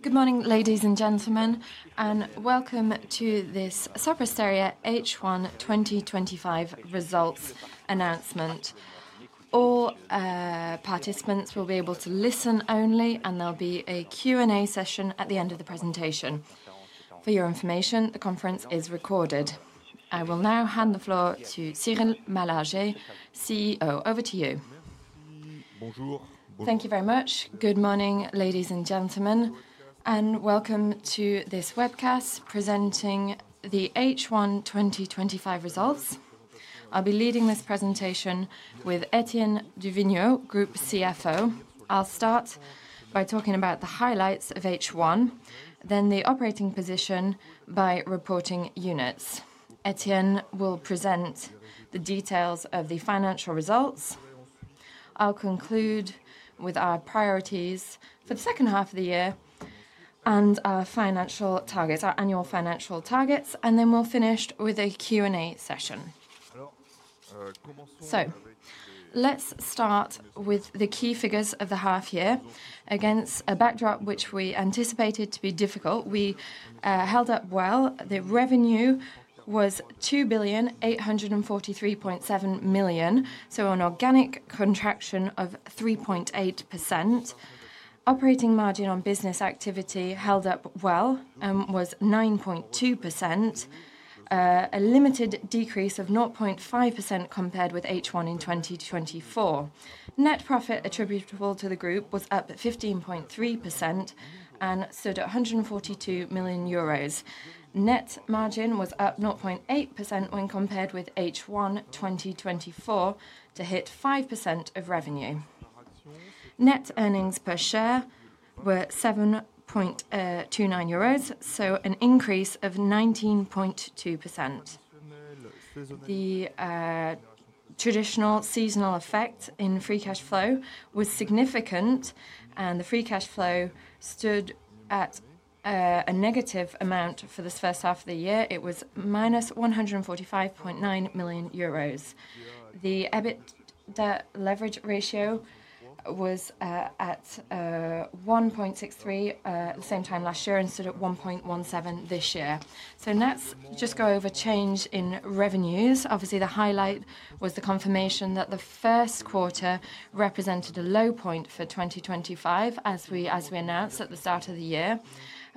Good morning, ladies and gentlemen, and welcome to this Sopristeria H1 twenty twenty five Results Announcement. All participants will be able to listen only and there'll be a Q and A session at the end of the presentation. For your information, the conference is recorded. I will now hand the floor to Cyril Malager, CEO. Over to you. Thank you very much. Good morning, ladies and gentlemen, and welcome to this webcast presenting the H1 twenty twenty five results. I'll be leading this presentation with Etienne DuVigneau, Group CFO. I'll start by talking about the highlights of H1, then the operating position by reporting units. Etienne will present the details of the financial results. I'll conclude with our priorities for the second half of the year and our financial targets our annual targets and then we'll finish with a Q and A session. So let's start with the key figures of the half year against a backdrop which we anticipated to be difficult. We held up well. The revenue was 2,843,700,000,000.0, so an organic contraction of 3.8%. Operating margin on business activity held up well and was 9.2%, a limited decrease of 0.5% compared with H1 in 2024. Net profit attributable to the group was up 15.3% and stood at €142,000,000 Net margin was up 0.8% when compared with H1 twenty twenty four to hit 5% of revenue. Net earnings per share were €7.29 so an increase of 19.2%. The traditional seasonal effect in free cash flow was significant and the free cash flow stood at a negative amount for this first half of the year. It was minus 145.9 million euros. The EBITDA leverage ratio was at 1.3% at the same time last year and stood at 1.17% this year. So let's just go over change in revenues. Obviously, the highlight was the confirmation that the first quarter represented a low point for 2025 as we announced at the start of the year.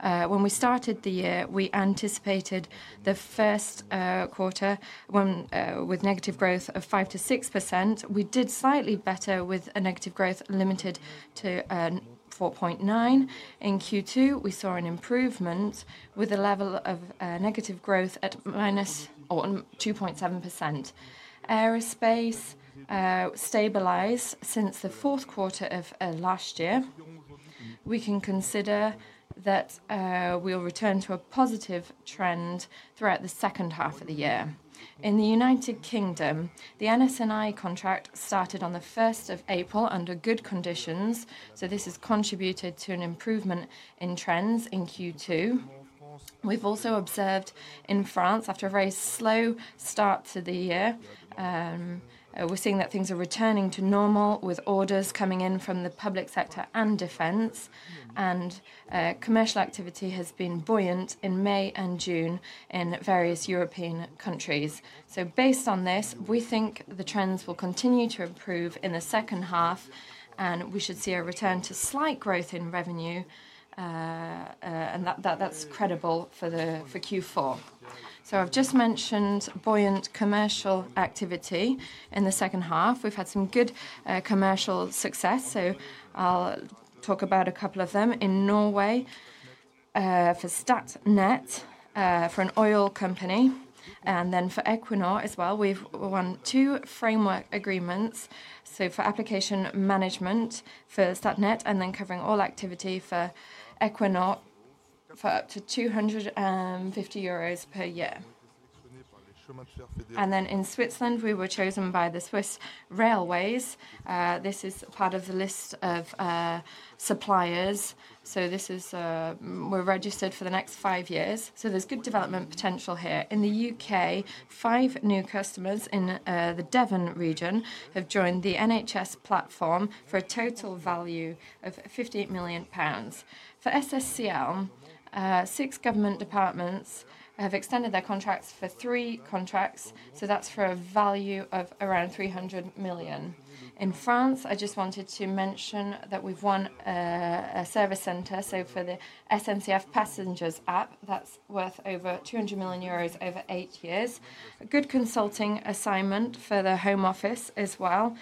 When we started the year, we anticipated the first quarter with negative growth of 5% to 6%. We did slightly better with a negative growth limited to 4.9%. In Q2, we saw an improvement with a level of negative growth at minus 2.7%. Aerospace stabilized since the fourth quarter of last year. We can consider that we'll return to a positive trend throughout the second half of the year. In The United Kingdom, the NSNI contract started on the April 1 under good conditions, so this has contributed to an improvement in trends in Q2. We've also observed in France, after a very slow start to the year, We're seeing that things are returning to normal with orders coming in from the public sector and defense. And commercial activity has been buoyant in May and June in various European countries. So based on this, we think the trends will continue to improve in the second half and we should see a return to slight growth in revenue and that's credible for Q4. So I've just mentioned buoyant commercial activity in the second half. We've had some good commercial success. So I'll talk about a couple of them. In Norway, for Statnet for an oil company And then for Equinor as well, we've won two framework agreements. So for application management for Statnet and then covering all activity for Equinor for up to EUR $2.50 per year. And then in Switzerland, we were chosen by the Swiss Railways. This is part of the list of suppliers. So this is we're registered for the next five years. So there's good development potential here. In The UK, five new customers in the Devon region have joined the NHS platform for a total value of £58,000,000 For SSCL, six government departments have extended their contracts for three contracts, so that's for a value of around 300,000,000. In France, I just wanted to mention that we've won a service center, so for the SNCF passengers app, that's worth over 200,000,000 euros over eight years. A good consulting assignment for the home office as well,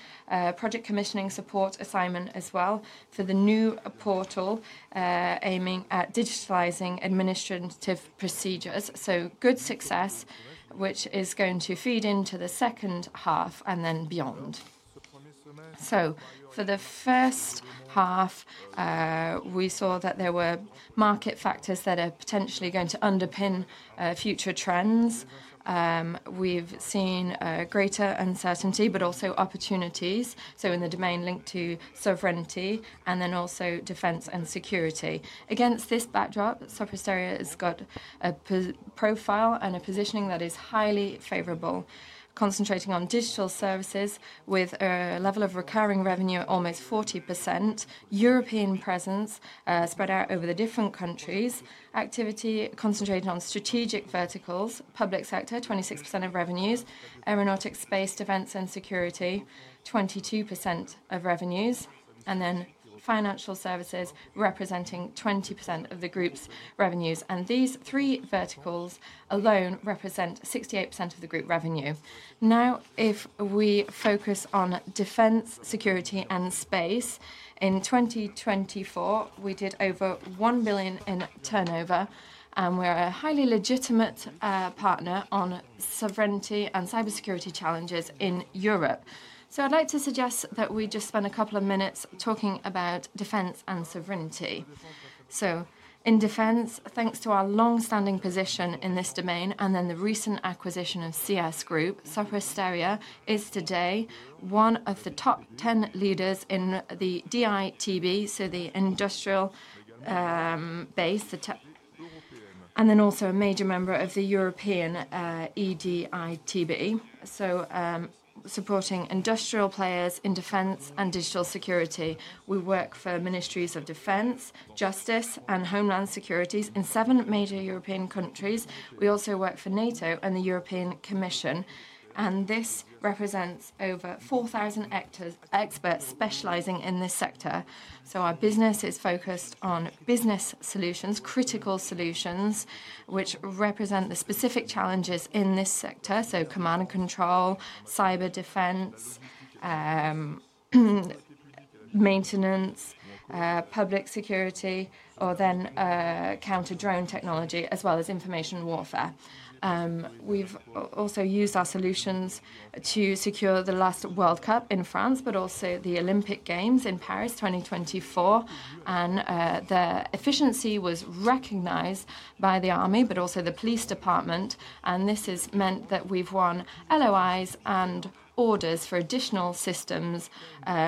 project commissioning support assignment as well for the new portal aiming at digitalizing administrative procedures. So good success, which is going to feed into the second half and then beyond. So for the first half, we saw that there were market factors that are potentially going to underpin future trends. We've seen greater uncertainty but also opportunities, so in the domain linked to sovereignty and then also defense and security. Against this backdrop, Sopristeria has got a profile and a positioning that is highly favorable, concentrating on digital services with a level of recurring revenue almost 40%, European presence spread out over the different countries, Activity concentrated on strategic verticals: public sector, 26% of revenues aeronautics, space, defense and security, 22% of revenues and then financial services representing 20% of the group's revenues. And these three verticals alone represent 68% of the group revenue. Now if we focus on defense, security and space, in 2024, we did over 1,000,000,000 in turnover and we're a highly legitimate partner on sovereignty and cybersecurity challenges in Europe. So I'd like to suggest that we just spend a couple of minutes talking about defense and sovereignty. So in defense, thanks to our long standing position in this domain and then the recent acquisition of CS Group, Saprosteria is today one of the top 10 leaders in the DITB, so the industrial base and then also a major member of the European EDITB, so supporting industrial players in defense and digital security. We work for ministries of defense, justice and homeland securities in seven major European countries. We also work for NATO and the European Commission. And this represents over 4,000 hectares experts specializing in this sector. So our business is focused on business solutions, critical solutions, which represent the specific challenges in this sector. So command and control, cyber defense, maintenance, public security or then counter drone technology as well as information warfare. We've also used our solutions to secure the last World Cup in France, but also the Olympic Games in Paris 2024. And, the efficiency was recognized by the army, but also the police department. And this has meant that we've won LOIs and orders for additional systems,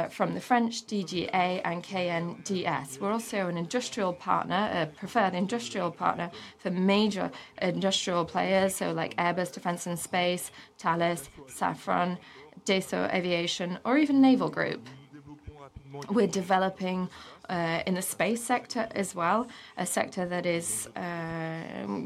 from the French DGA and KNDS. We're also an industrial partner, a preferred industrial partner for major industrial players, so like Airbus Defense and Space, Thales, Safran, Dassault Aviation or even Naval Group. We're developing, in the space sector as well, a sector that is,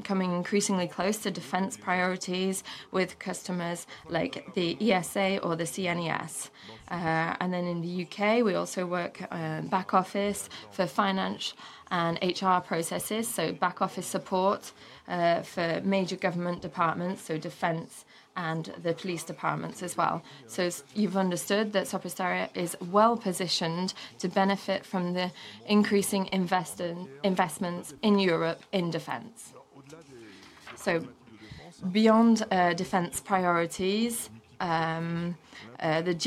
coming increasingly close to defense priorities with customers like the ESA or the CNES. And then in The UK, we also work, back office for finance and HR processes. So back office support, for major government departments, so defense and the police departments as well. So you've understood that Sopristaria is well positioned to benefit from the increasing investments in Europe in defense. So beyond, defense priorities, the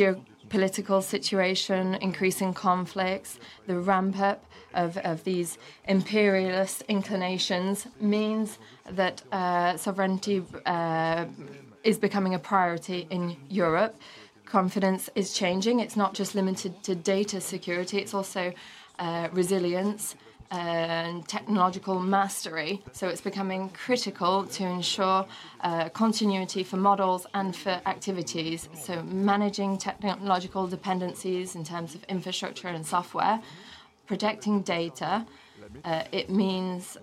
geopolitical situation, increasing conflicts, the ramp up of these imperialist inclinations means that sovereignty is becoming a priority in Europe. Confidence is changing. It's not just limited to data security, it's also resilience and technological mastery. So it's becoming critical to ensure continuity for models and for activities. So managing technological dependencies in terms of infrastructure and software, protecting data. It means,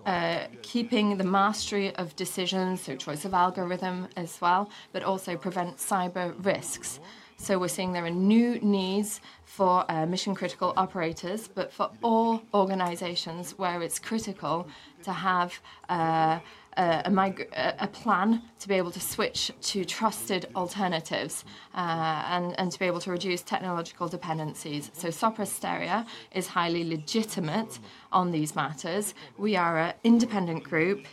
keeping the mastery of decisions through choice of algorithm as well, but also prevent cyber risks. So we're seeing there are new needs for mission critical operators, but for all organizations where it's critical to have a a to be able to switch to trusted alternatives and to be able to reduce technological dependencies. So Soprasteria is highly legitimate on these matters. We are an independent group.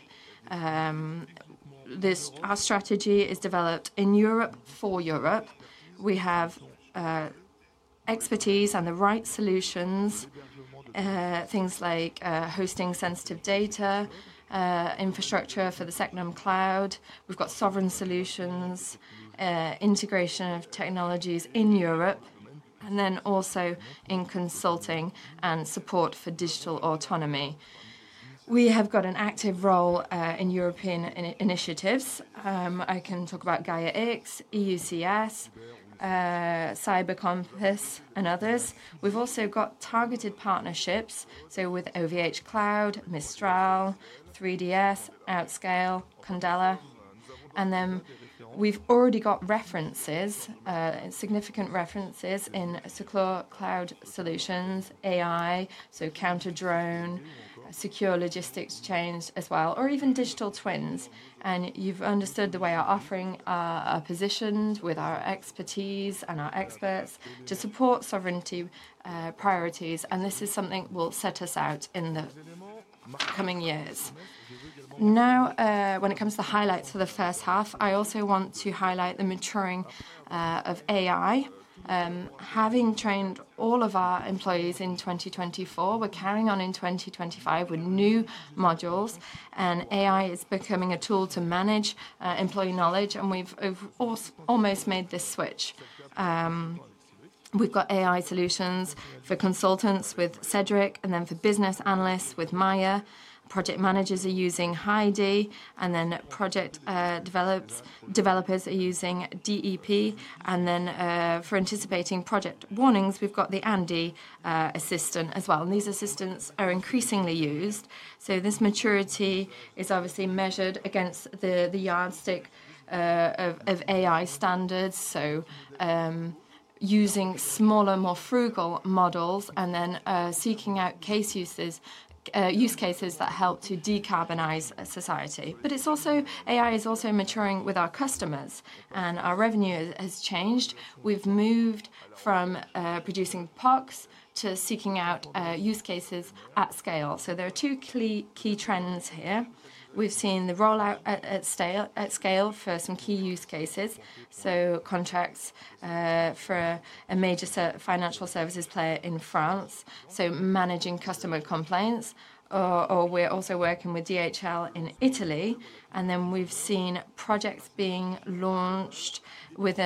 This our strategy is developed in Europe for Europe. We have expertise and the right solutions, things like hosting sensitive data, infrastructure for the Secnum cloud. We've got sovereign solutions, integration of technologies in Europe and then also in consulting and support for digital autonomy. We have got an active role in European initiatives. I can talk about Gaia X, EUCS, Cyber Compass and others. We've also got targeted partnerships, so with OVH Cloud, Mistral, 3DS, Outscale, Candela. And then we've already got references, significant references in Secur Cloud Solutions, AI, so counter drone, secure logistics change as well or even digital twins. And you've understood the way our offering are positioned with our expertise and our experts to support sovereignty priorities and this is something will set us out in the coming years. Now when it comes to highlights for the first half, I also want to highlight the maturing of AI. Having trained all of our employees in 2024, we're carrying on in 2025 with new modules, and AI is becoming a tool to manage employee knowledge, and we've almost made this switch. We've got AI solutions for consultants with Cedric and then for business analysts with Maja. Project managers are using Heidi and then project developers are using DEP. And then for anticipating project warnings, we've got the Andy assistant as well. And these assistants are increasingly used. So this maturity is obviously measured against the the yardstick of of AI standards. So using smaller, more frugal models and then seeking out case uses use cases that help to decarbonize society. But it's also AI is also maturing with our customers and our revenue has changed. We've moved from producing pox to seeking out use cases at scale. So there are two key trends here. We've seen the rollout at scale for some key use cases. So contracts for a major financial services player in France, so managing customer complaints or we're also working with DHL in Italy. And then we've seen projects being launched with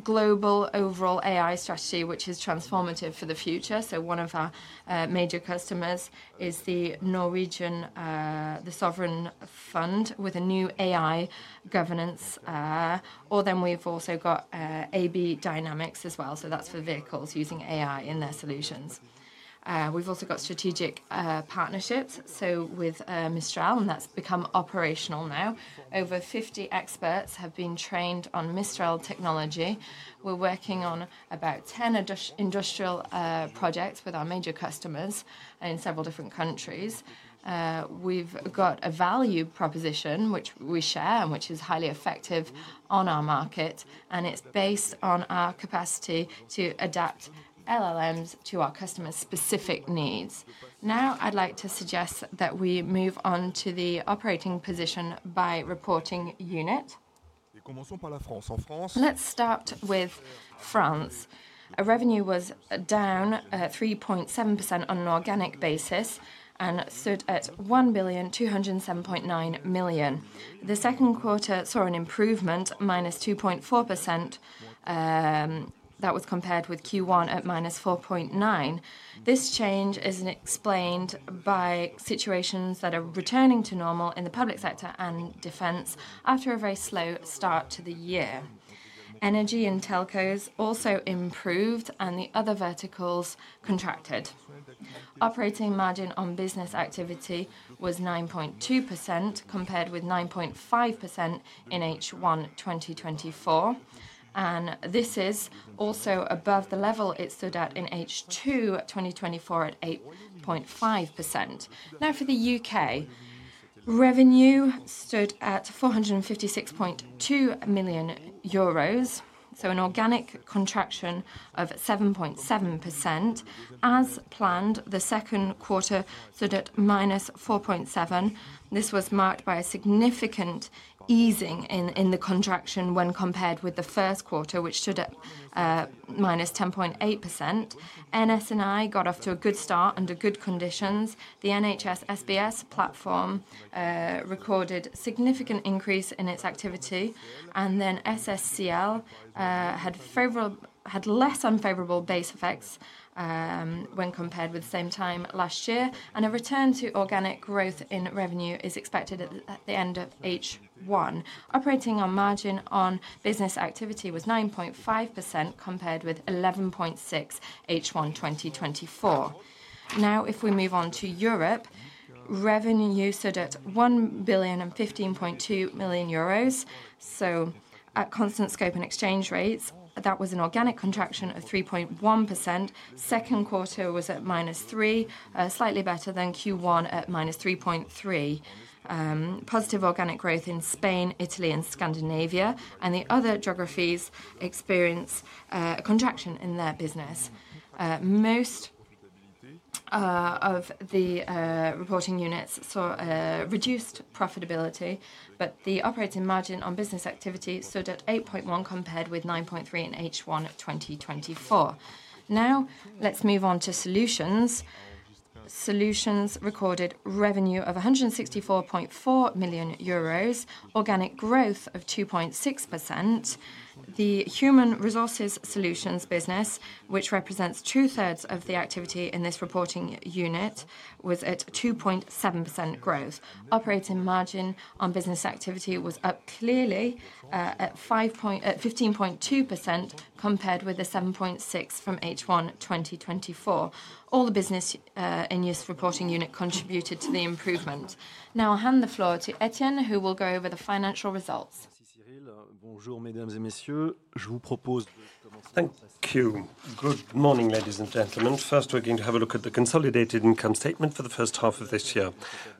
a global overall AI strategy, which is transformative for the future. So one of our major customers is the Norwegian, the sovereign fund with a new AI governance or then we've also got AB Dynamics as well. So that's for vehicles using AI in their solutions. We've also got strategic partnerships. So with Mistral and that's become operational now. Over 50 experts have been trained on Mistral technology. We're working on about 10 industrial projects with our major customers in several different countries. We've got a value proposition which we share and which is highly effective on our market and it's based on our capacity to adapt LLMs to our customers' specific needs. Now I'd like to suggest that we move on to the operating position by reporting unit. Let's start with France. Revenue was down 3.7% on an organic basis and stood at 1,207,900,000,000.0. The second quarter saw an improvement minus 2.4% that was compared with Q1 at minus 4.9%. This change is explained by situations that are returning to normal in the public sector and defense after a very slow start to the year. Energy and telcos also improved and the other verticals contracted. Operating margin on business activity was 9.2% compared with 9.5% in H1 twenty twenty four. And this is also above the level it stood at in H2 twenty twenty four at 8.5%. Now for The UK, revenue stood at 456.2 million euros, so an organic contraction of 7.7%. As planned, the second quarter stood at minus 4.7%. This was marked by a significant easing in the contraction when compared with the first quarter, which stood at minus 10.8%. NS and I got off to a good start under good conditions. The NHS SBS platform recorded significant increase in its activity. And then SSCL had less unfavorable base effects when compared with the same time last year. And a return to organic growth in revenue is expected at the end of H1. Operating on margin on business activity was 9.5% compared with 11.6% H1 twenty twenty four. Now if we move on to Europe, revenue stood at 1,015,200,000.0 euros. So at constant scope and exchange rates, that was an organic contraction of 3.1%. Second quarter was at minus 3%, slightly better than Q1 at minus 3.3%. Positive organic growth in Spain, Italy and Scandinavia and the other geographies experienced contraction in their business. Most of the reporting units saw reduced profitability, but the operating margin on business activity stood at 8.1% compared with 9.3% in H1 twenty twenty four. Now let's move on to Solutions. Solutions recorded revenue of €164,400,000 organic growth of 2.6%. The Human Resources Solutions business, which represents two thirds of the activity in this reporting unit, was at 2.7 growth. Operating margin on business activity was up clearly at 15.2% compared with the 7.6% from H1 twenty twenty four. All the business in use reporting unit contributed to the improvement. Now I hand the floor to Etienne, who will go over the financial results. Thank you. Good morning, ladies and gentlemen. First, we're going to have a look at the consolidated 100 income statement for the first half of this year.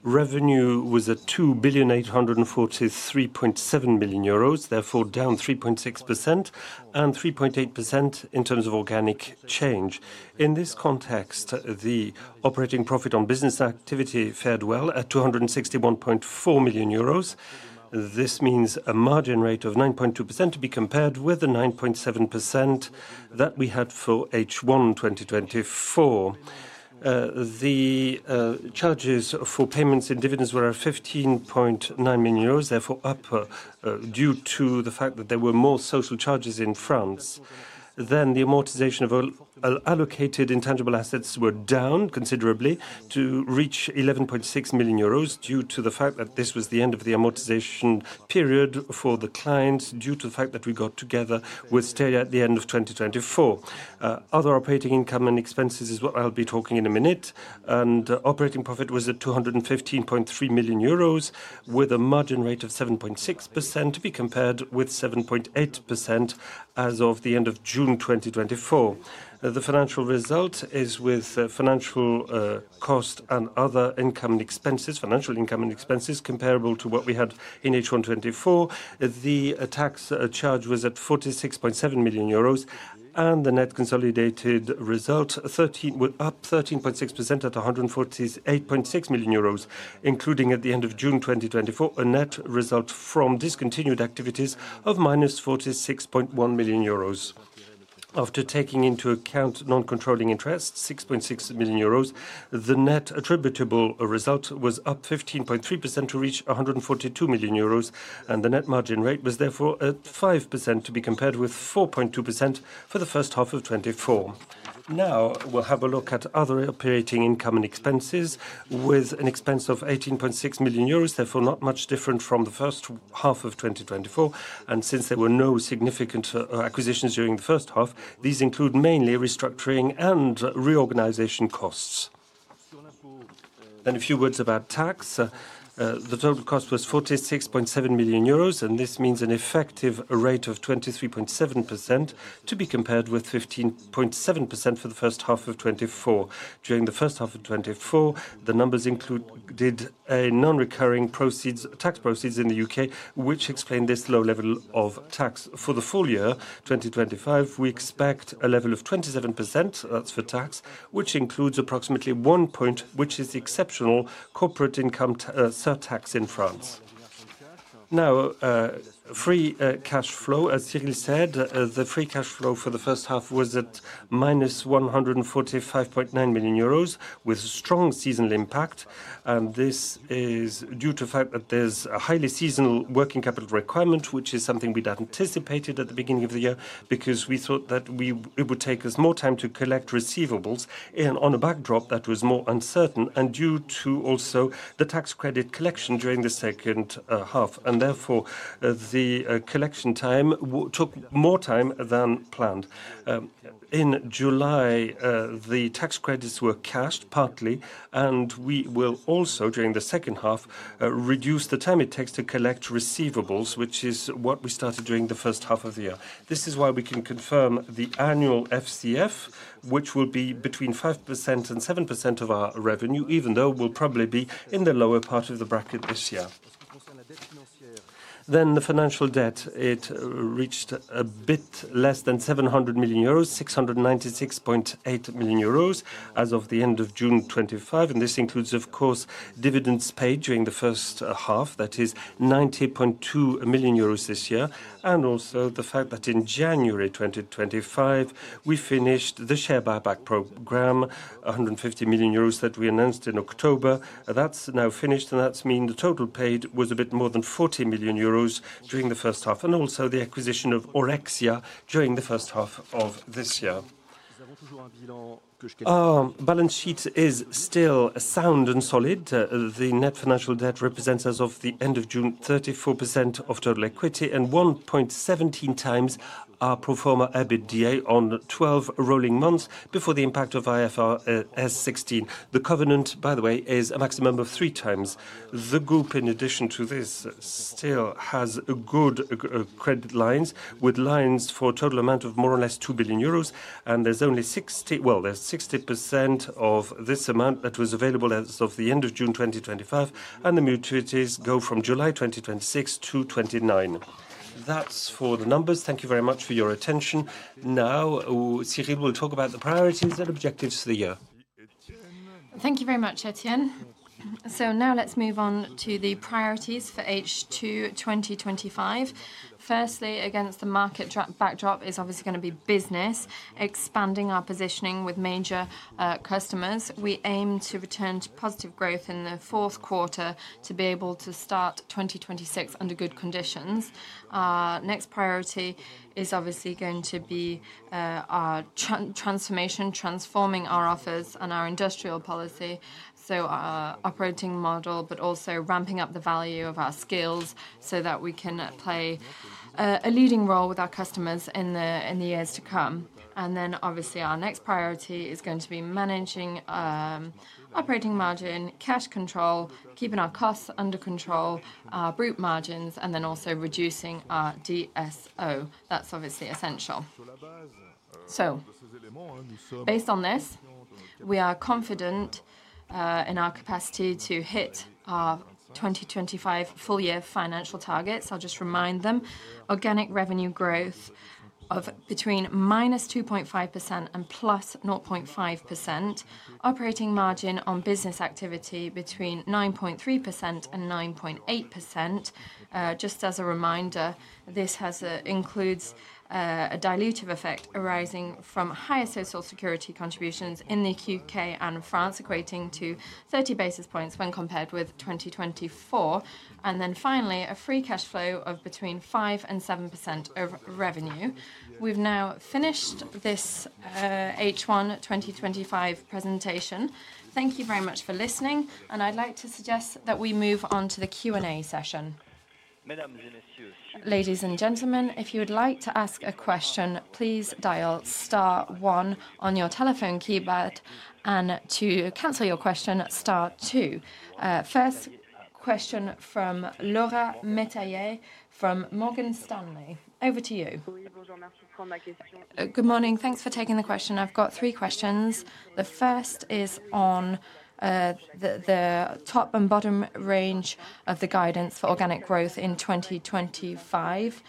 Revenue was 2,043,700,000,000.0 euros, therefore, down 3.63.8% in terms of organic change. In this context, the operating profit on business activity fared well at 2 and 61,400,000.0. This means a margin rate of 9.2% to be compared with the 9.7% that we had for H1 twenty twenty four. The charges for payments and dividends were at €15,900,000 therefore, therefore, due to the fact that there were more social charges in France. Then the amortization of allocated intangible assets were down considerably to reach 11,600,000.0 euros due to the fact that this was the end of the amortization period for the clients due to the fact that we got together with Stereo at the end of twenty twenty four. Other operating income and expenses is what I'll be talking in a minute. And operating profit was at 215,300,000.0 euros with a margin rate of 7.6% to be compared with 7.8% as of the June. The financial result is with financial cost and other income and expenses financial income and expenses comparable to what we had in H1 twenty twenty four. The tax charge was at 46.7 million euros and the net consolidated result were up 13.6% at 148.6 million euros, including at the June, a net result from discontinued activities of minus 46,100,000.0 euros. After taking into account non controlling interest, 6,600,000.0, the net attributable result was up 15.3% to reach €142,000,000 and the net margin rate was therefore at 5% to be compared with 4.2% for the first half of twenty twenty four. Now we'll have a look at other operating income and expenses with an expense of €18,600,000 therefore, not much different from the first half of twenty twenty four. And since there were no significant acquisitions during the first half, these include mainly restructuring and reorganization costs. Then a few words about tax. The total cost was €46,700,000 and this means an effective rate of 23.7% to be compared with 15.7% for the first half of twenty twenty four. During the first half of twenty twenty four, the numbers included a non recurring proceeds tax proceeds in The UK, which explained this low level of tax. For the full year 2025, we expect a level of 27%, that's for tax, which includes approximately one point, which is exceptional corporate income tax in France. Now free cash flow, as Sigrid said, the free cash flow for the first half was at minus 145,900,000.0 euros with strong seasonal impact. And this is due to the fact that there's a highly seasonal working capital requirement, which is something we'd anticipated at the beginning of the year because we thought that we it would take us more time to collect receivables and on a backdrop that was more uncertain and due to also the tax credit collection during the second half. And therefore, the collection time took more time than planned. In July, the tax credits were cashed partly, and we will also, during the second half, reduce the time it takes to collect receivables, which is what we started during the first half of the year. This is why we can confirm the annual FCF, which will be between 57% of our revenue, even though we'll probably be in the lower part of the bracket this year. Then the financial debt, it reached a bit less than 700,000,006 euros and 96,800,000.0 as of the June. And this includes, of course, dividends paid during the first half, that is 90,200,000.0 euros this year. And also the fact that in January 2025, we finished the share buyback program, 150,000,000 euros that we announced in October. That's now finished, and that's mean the total paid was a bit more than €40,000,000 during the first half and also the acquisition of Orexia during the first half of this year. Our balance sheet is still sound and solid. The net financial debt represents as of the June 34% of total equity and 1.17 times our pro form a EBITDA on twelve rolling months before the impact of IFRS 16. The covenant, by the way, is a maximum of three times. The group, in addition to this, still has good credit lines with lines for a total amount of more or less 2,000,000,000 euros. And there's only 60% well, there's 60% of this amount that was available as of the June, and the maturities go from July 2026 to 2029. That's for the numbers. Thank you very much for your attention. Now Ciri will talk about the priorities and objectives for the year. Thank you very much, Etienne. So now let's move on to the priorities for H2 twenty twenty five. Firstly, against the market backdrop is obviously going to be business, expanding our positioning with major customers. We aim to return to positive growth in the fourth quarter to be able to start 2026 under good conditions. Our next priority is obviously going to be transformation, transforming our offers and our industrial policy. So our operating model, but also ramping up the value of our skills so that we can play a leading role with our customers in the years to come. And then obviously, our next priority is going to be managing operating margin, cash control, keeping our costs under control, our brute margins and then also reducing our DSO. That's obviously essential. So based on this, we are confident in our capacity to hit our twenty twenty five full year financial targets. I'll just remind them, organic revenue growth of between minus 2.5 and plus 0.5%. Operating margin on business activity between 9.39.8%. Just as a reminder, this has includes a dilutive effect arising from higher social security contributions in The UK and France, equating to 30 basis points when compared with 2024. And then finally, a free cash flow of between 57% of revenue. We've now finished this H1 twenty twenty five presentation. Thank you very much for listening, and I'd like to suggest that we move on to the Q and A session. First question from Laura Metaller from Morgan Stanley. Over to you. Good morning. Thanks for taking the question. I've got three questions. The first is on the top and bottom range of the guidance for organic growth in 2025.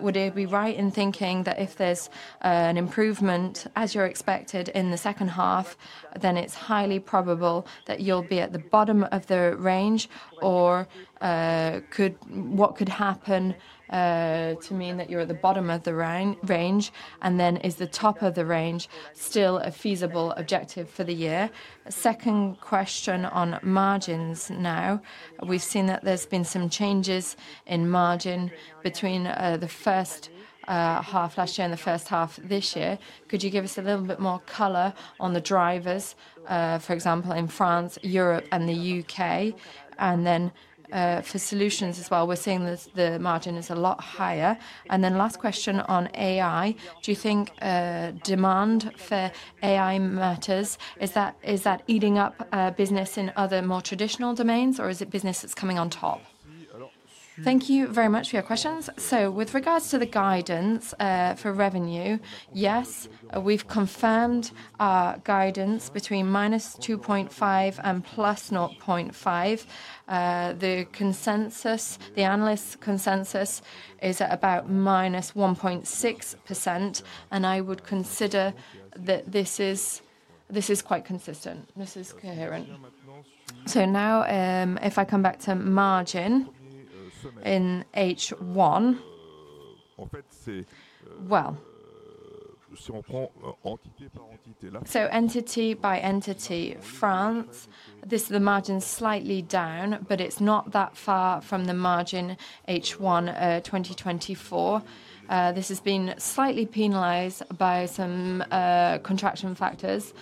Would it be right in thinking that if there's an improvement as you're expected in the second half, then it's highly probable that you'll be at the bottom of the range? Or could what could happen to mean that you're at the bottom of the range? And then is the top of the range still a feasible objective for the year? Second question on margins now. We've seen that there's been some changes in margin between the first half last year and the first half this year. Could you give us a little bit more color on the drivers, for example, in France, Europe and The U. K? And then for Solutions as well, we're seeing the margin is a lot higher. And then last question on AI. Do you think demand for AI matters? Is that eating up business in other more traditional domains? Or is it business that's coming on top? Thank you very much for your questions. So with regards to the guidance for revenue, yes, we've confirmed our guidance between minus 2.5 and plus 0.5. The consensus the analyst consensus is about minus 1.6% and I would consider that this is quite consistent. This is coherent. So now if I come back to margin in H1, well, so entity by entity, France, this is the margin slightly down, but it's not that far from the margin H1 twenty twenty four. This has been slightly penalized by some contraction factors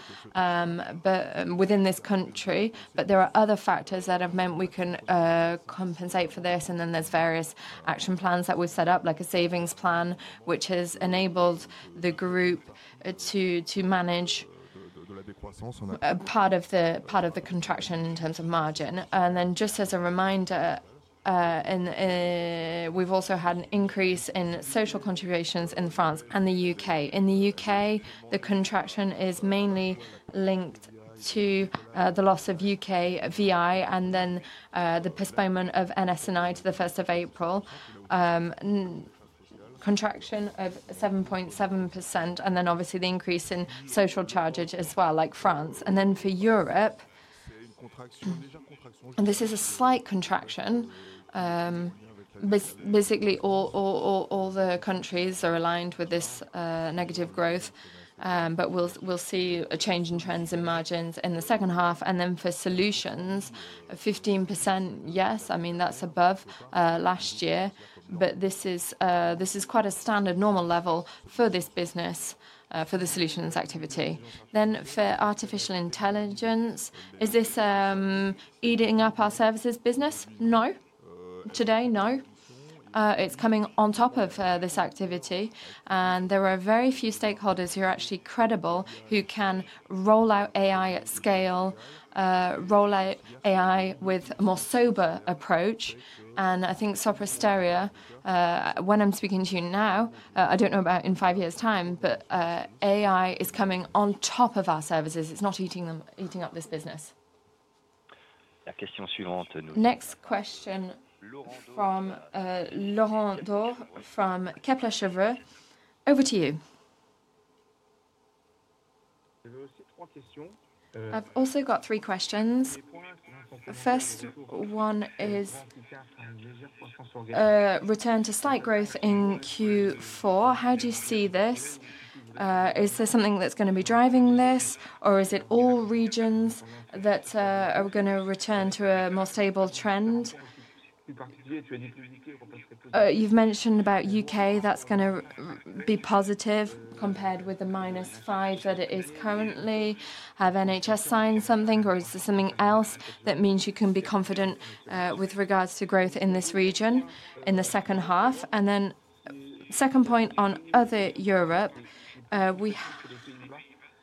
within this country, but there are other factors that have meant we can compensate for this. And then there's various action plans that we set up like a savings plan, which has enabled the group to manage part of the contraction in terms of margin. And then just as a reminder, we've also had an increase in social contributions in France and The UK. In The UK, the contraction is mainly linked to the loss of UK VI and then the postponement of NS and I to the April 1, contraction of 7.7% and then obviously the increase in social charges as well like France. And then for Europe, and this is a slight contraction. Basically all the countries are aligned with this negative growth, but we'll see a change in trends in margins in the second half. And then for Solutions, 15%, yes, I mean that's above last year, but this is quite a standard normal level for this business for the solutions activity. Then for artificial intelligence, is this eating up our services business? No. Today, no. It's coming on top of this activity. And there are very few stakeholders who are actually credible, who can roll out AI at scale, roll out AI with more sober approach. And I think Sopristeria, when I'm speaking to you now, I don't know about in five years' time, but AI is coming on top of our services. It's not eating up this business. Next question from Laurent Dore from Kepler Cheuvreux. Over to you. I've also got three questions. The first one is return to slight growth in Q4. How do you see this? Is this something that's going to be driving this? Or is it all regions that are going to return to a more stable trend? You've mentioned about UK, that's going to be positive compared with the minus 5% that it is currently. Have NHS signed something or is there something else that means you can be confident with regards to growth in this region in the second half? And then second point on other Europe,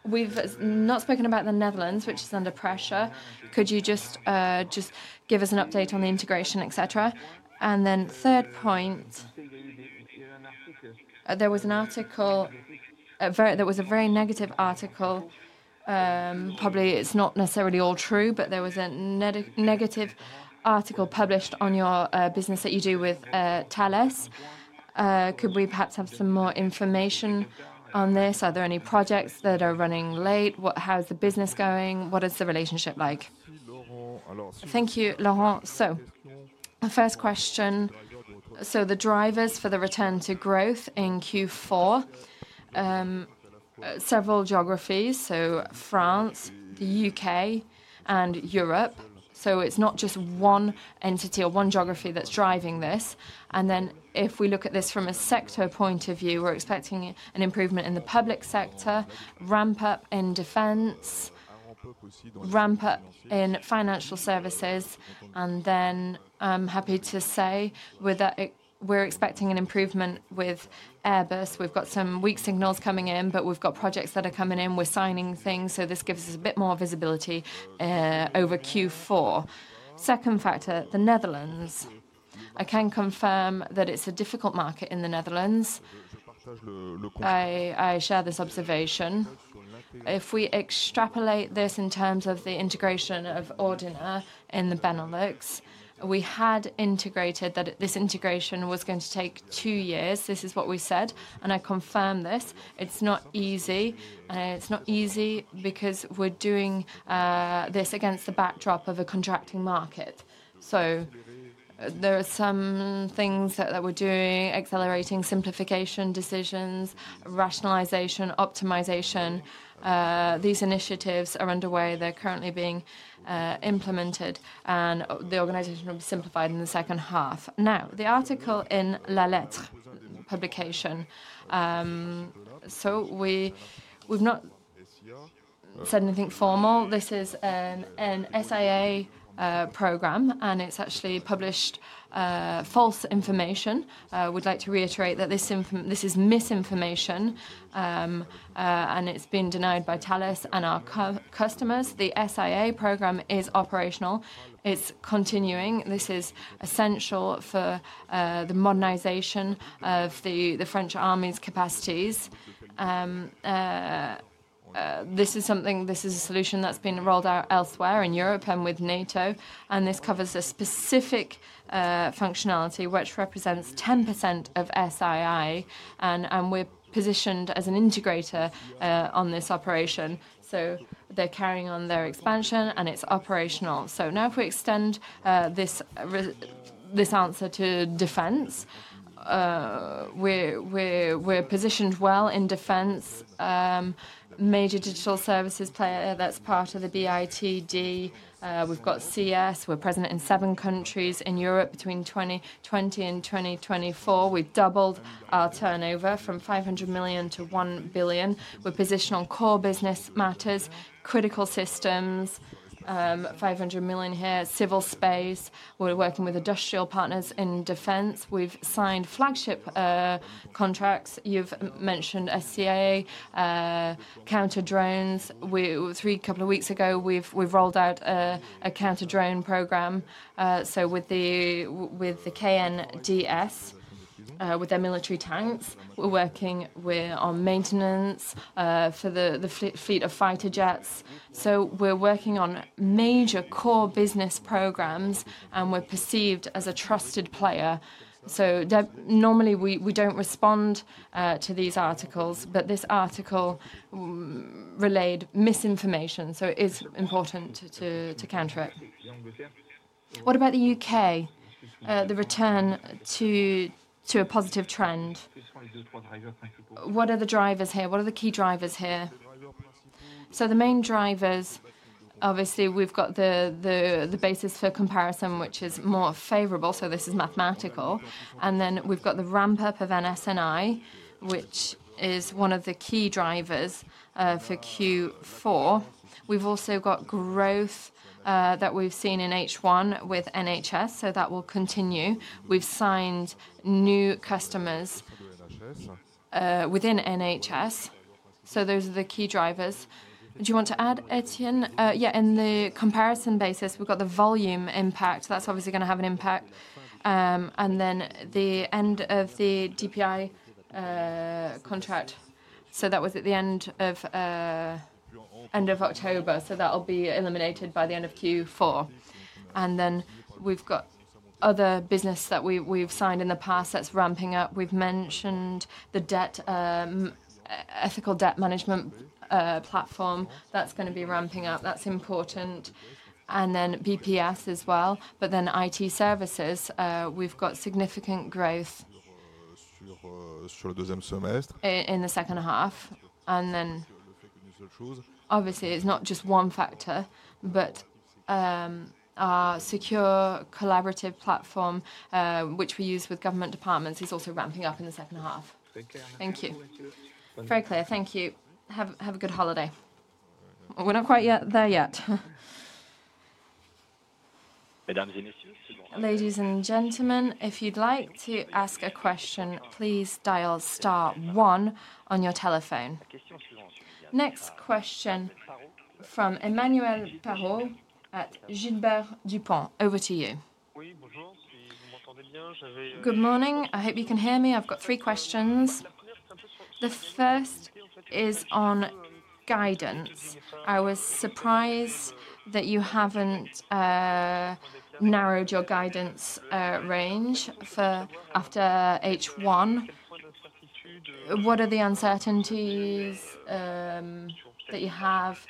we've not spoken about The Netherlands, which is under pressure. Could you just give us an update on the integration, etcetera? And then third point, there was an article there was a very negative article. Probably, it's not necessarily all true, but there was a negative article published on your business that you do with Thales. Could we perhaps have some more information REPRESENTATIVE:] on this? Are there any projects that are running late? How is the business going? What is the relationship like? Thank you, Laurent. So the first question, so the drivers for the return to growth in Q4, several geographies, so France, The UK and Europe. So it's not just one entity or one geography that's driving this. And then if we look at this from a sector point of view, we're expecting an improvement in the public sector, ramp up in defense, ramp up in financial services. And then I'm happy to say we're expecting an improvement with Airbus. We've got some weak signals coming in, but we've got projects that are coming in. We're signing things, so this gives us a bit more visibility over Q4. Second factor, The Netherlands. I can confirm that it's a difficult market in The Netherlands. I share this observation. If we extrapolate this in terms of the integration of Ordina in the Benelux, We had integrated that this integration was going to take two years. This is what we said, and I confirm this. It's not easy. It's not easy because we're doing this against the backdrop of a contracting market. So there are some things that we're doing, accelerating simplification decisions, rationalization, optimization. These initiatives are underway. They're currently being implemented and the organization will be simplified in the second half. Now the article in Lalette publication. So we've not said anything formal. This is an SIA program and it's actually published false information. Would like to reiterate that this is misinformation and it's been denied by Thales and our customers. The SIA program is operational. It's continuing. This is essential for the modernization of the French Army's capacities. This is something this is a solution that's been rolled out elsewhere in Europe and with NATO. And this covers a specific functionality, which represents 10% of SII, and we're positioned as an integrator on this operation. So they're carrying on their expansion and it's operational. So now if we extend this this answer to defense, we're we're we're positioned well in defense, major digital services player that's part of the BITD. We've got CS. We're president in seven countries in Europe between 2020 and 2024. We've doubled our turnover from 500,000,000 to 1,000,000,000. We're positioned on core business matters, critical systems, 500,000,000 here, civil space. We're working with industrial partners in defense. We've signed flagship contracts. You've mentioned SCA, counterdrones. Three couple of weeks ago, we've rolled out a counter drone program. So with the KNDS, with their military tanks, We're working with our maintenance for the fleet of fighter jets. So we're working on major core business programs and we're perceived as a trusted player. So normally, we we don't respond, to these articles, but this article relayed misinformation. So it's important to to counter it. What about The UK? The return to to a positive trend. What are the drivers here? What are the key drivers here? So the main drivers, obviously, we've got the the the basis for comparison, is more favorable. So this is mathematical. And then we've got the ramp up of NSNI, which is one of the key drivers for Q4. We've also got growth that we've seen in H1 with NHS, so that will continue. We've signed new customers within NHS. So those are the key drivers. Do you want to add, Etienne? Yes, in the comparison basis, we've got the volume impact. That's obviously going to have an impact. And then the end of the DPI contract, so that was at the October. So that will be eliminated by the end of Q4. And then we've got other business that we've signed in the past that's ramping up. We've mentioned the debt ethical debt management platform that's going to be ramping up. That's important. And then BPS as well, but then IT services, we've got significant growth in the second half. And then obviously, it's not just one factor, but our secure collaborative platform, which we use with government departments is also ramping up in the second half. Thank you. Very clear. Thank you. Have a good holiday. We're not quite yet there yet. Next question from Emmanuel Parrot at Gilbert DuPont. Over to you. UNIDENTIFIED Good morning. I hope you can hear me. I've got three questions. The first is on guidance. I was surprised that you haven't narrowed your guidance range for after H1. What are the uncertainties that you have?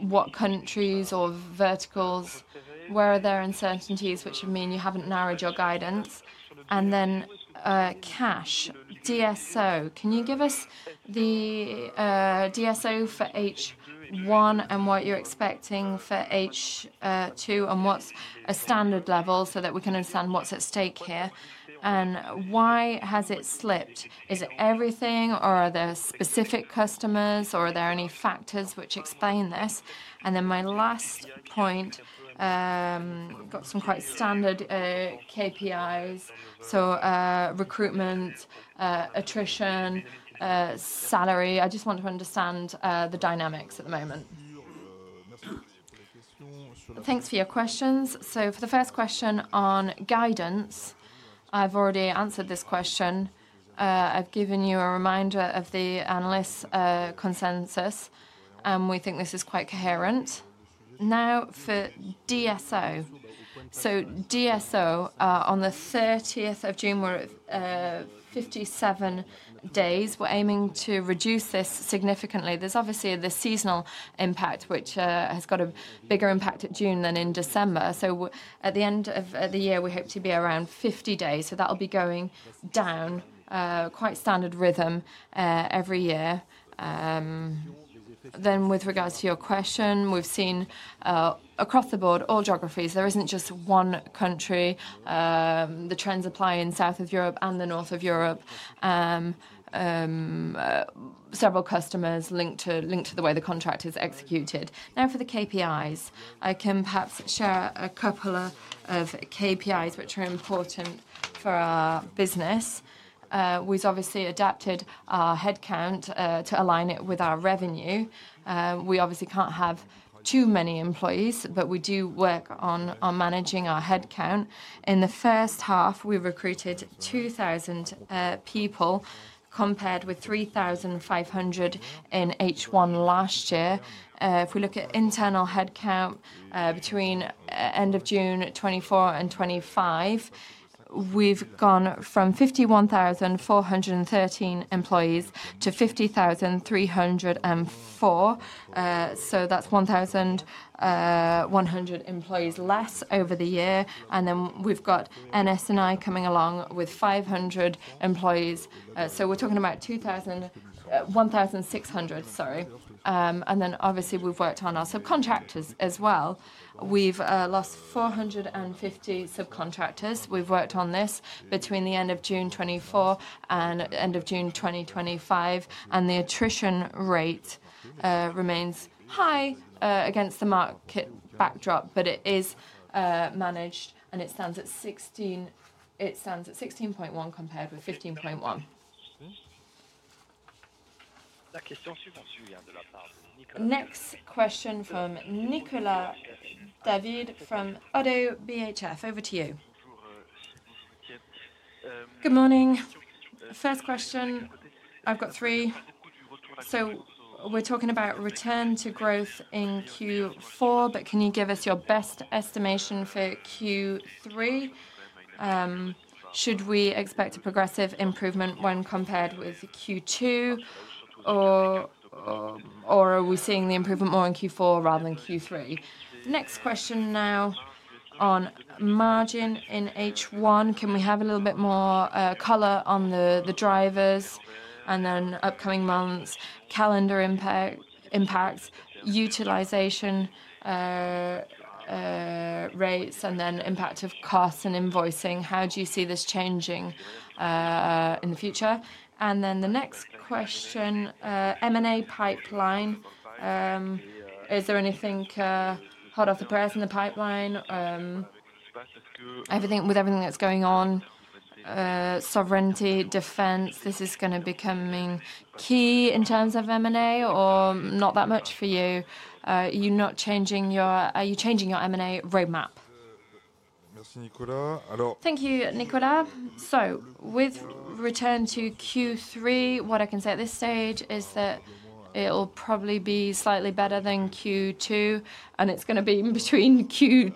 What countries or verticals? Where are there uncertainties, which would mean you haven't narrowed your guidance? And then cash, DSO. Can you give us the DSO for H1 and what you're expecting for H2 and what's a standard level so that we can understand what's at stake here? And why has it slipped? Is it everything or are there specific customers or are there any factors which explain this? And then my last point, got some quite standard KPIs. So recruitment, attrition, salary. I just want to understand the dynamics at the moment. Thanks for your questions. So for the first question on guidance, I've already answered this question. I've given you a reminder of the analysts' consensus, and we think this is quite coherent. Now for DSO. So DSO on the June 30, we're at fifty seven days. We're aiming to reduce this significantly. There's obviously the seasonal impact, which has got a bigger impact at June than in December. So at the end of the year, we hope to be around 50. So that will be going down quite standard rhythm every year. Then with regards to your question, we've seen across the board all geographies. There isn't just one country. The trends apply in South Of Europe and the North Of Europe. Several customers linked to the way the contract is executed. Now for the KPIs. I can perhaps share a couple of KPIs, which are important for our business. We've obviously adapted our headcount to align it with our revenue. We obviously can't have too many employees, but we do work on managing our headcount. In the first half, we recruited 2,000 people compared with 3,500 in H1 last year. If we look at internal headcount between June 2024 and 2025, we've gone from 51,413 employees to 50,304. So that's 1,100 employees less over the year. And then we've got NS and I coming along with 500 employees. So we're talking about 3,600, sorry. And then obviously, we've worked on our subcontractors as well. We've lost four fifty subcontractors. We've worked on this between the June '24 and June. And the attrition rate remains high against the market backdrop, but it is managed and it stands at 16.1% compared with 15.1%. Next question from Nicolas David from ODDO BHF. Over to you. Good morning. First question, I've got three. So we're talking about return to growth in Q4, but can you give us your best estimation for Q3? Should we expect a progressive improvement when compared with Q2? Or are we seeing the improvement more in Q4 rather than Q3? Next question now on margin in H1. Can we have a little bit more color on the drivers and then upcoming months, calendar impacts, utilization rates and then impact of costs and invoicing. How do you see this changing in the future? And then the next question, M and A pipeline. Is there anything hot off the press in the pipeline? Everything with everything that's going on, sovereignty, defense, this is going to becoming key in terms of M and A or not that much for you? You're not changing your are you changing your M and A roadmap? UNIDENTIFIED Thank you, Nicolas. So with return to Q3, what I can say at this stage is that it will probably be slightly better than Q2, and it's going to be in between Q2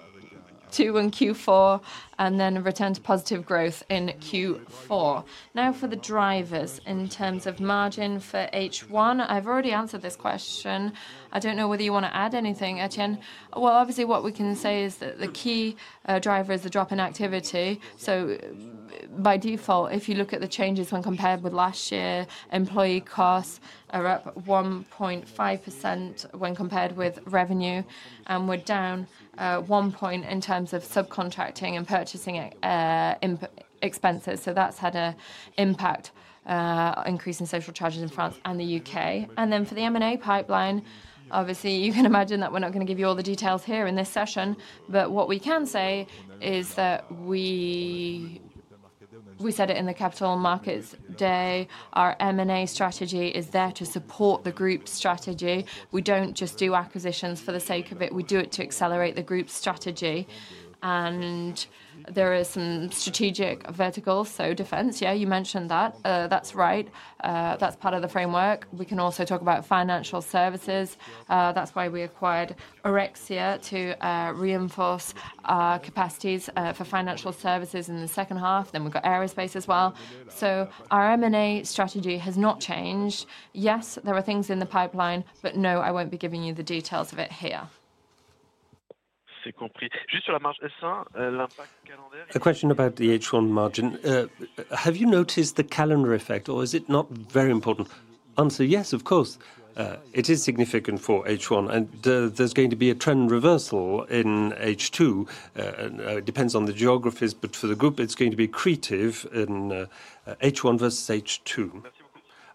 and Q4 and then return to positive growth in Q4. Now for the drivers in terms of margin for H1. I've already answered this question. I don't know whether you want to add anything, Etienne. Well, obviously, what we can say is that the key driver is the drop in activity. So by default, if you look at the changes when compared with last year, employee costs are up 1.5% when compared with revenue and were down one point in terms of subcontracting and purchasing expenses. So that's had an impact increase in social charges in France and The UK. And then for the M and A pipeline, obviously, you can imagine that we're not going give you all the details here in this session. But what we can say is that we said it in the Capital Markets Day, our M and A strategy is there to support the group strategy. We don't just do acquisitions for the sake of it. We do it to accelerate the group strategy. And there is some strategic verticals, so defense, yes, you mentioned that. That's right. That's part of the framework. We can also talk about financial services. That's why we acquired Erexia to reinforce our capacities for financial services in the second half, then we've got aerospace as well. So our M and A strategy has not changed. Yes, there are things in the pipeline, but no, I won't be giving you the details of it here. A question about the H1 margin. Have you noticed the calendar effect? Or is it not very important? Answer, yes, of course. UNIDENTIFIED It is significant for H1. And there's going to be a trend reversal in H2. It depends on the geographies, but for the group, it's going to be accretive in H1 versus H2.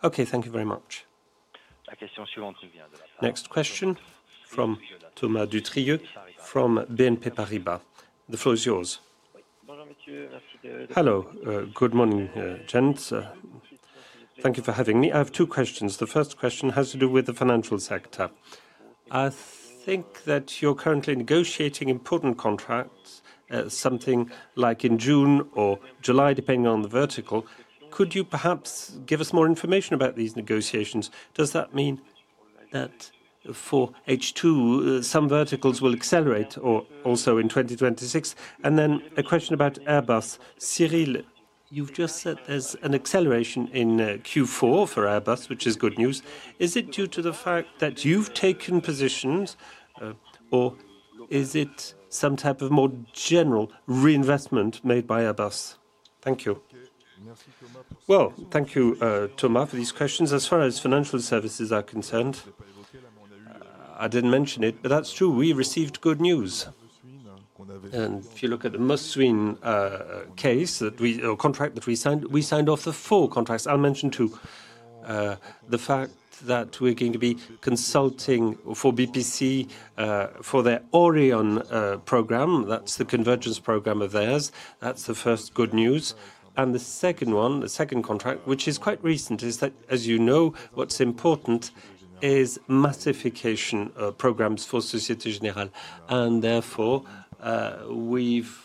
Okay. Thank you very much. Next question from Thomas Dutrieux from BNP Paribas. The floor is yours. Hello. Good morning, gents. Thank you for having me. I have two questions. The first question has to do with the financial sector. I think that you're currently negotiating important contracts, something like in June or July, depending on the vertical. Could you perhaps give us more information about these negotiations? Does that mean that for H2, some verticals will accelerate also in 2026? And then a question about Airbus. Cyrille, you've just said there's an acceleration in Q4 for Airbus, which is good news. Is it due to the fact that you've taken positions? Or is it some type of more general reinvestment made by Airbus? Thank you. Well, thank you, Thomas, for these questions. As far as financial services are concerned, I didn't mention it, but that's true. We received good news. And if you look at the Musquin case that we contract that we signed, we signed off the four contracts. I'll mention too the fact that we're going to be consulting for BPC for their Orion program, that's the convergence program of theirs. That's the first good news. And the second one, the second contract, which is quite recent is that, as you know, what's important is massification programs for Societe Generale. And therefore, we've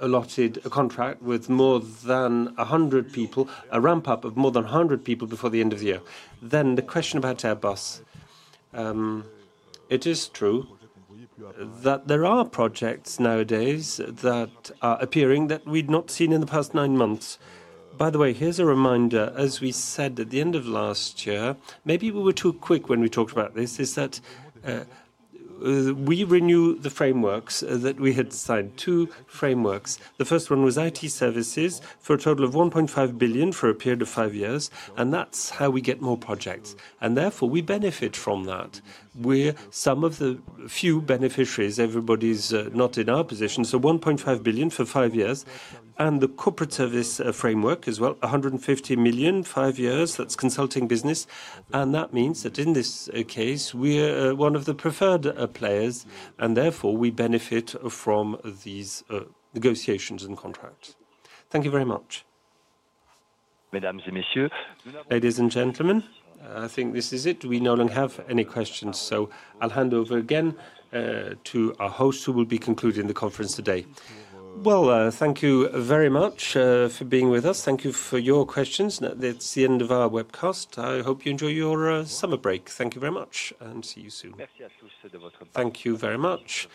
allotted a contract with more than 100 people, a ramp up of more than 100 people before the end of the year. Then the question about Airbus, It is true that there are projects nowadays that are appearing that we'd not seen in the past nine months. By the way, here's a reminder, as we said at the end of last year, maybe we were too quick when we talked about this, is that we renew the frameworks that we had signed. Two frameworks. The first one was IT services for a total of 1,500,000,000.0 for a period of five years and that's how we get more projects. And therefore, we benefit from that. We're some of the few beneficiaries. Everybody's not in our position. So €1,500,000,000 for five years and the corporate service framework as well, 150,000,000, five years, that's consulting business. And that means that in this case, we are one of the preferred players and therefore we benefit from these negotiations and contracts. Thank you very much. Ladies and gentlemen, I think this is it. We no longer have any questions. So I'll hand over again to our host who will be concluding the conference today. Well, thank you very much for being with us. Thank you for your questions. That's the end of our webcast. I hope you enjoy your summer break. Thank you very much and see you soon. Thank you very much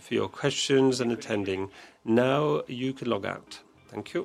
for your questions and attending. Now you can log out. Thank you.